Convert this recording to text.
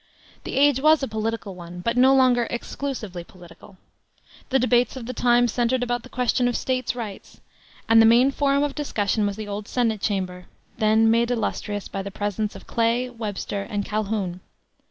The age was a political one, but no longer exclusively political. The debates of the time centered about the question of "State Rights," and the main forum of discussion was the old Senate chamber, then made illustrious by the presence of Clay, Webster, and Calhoun.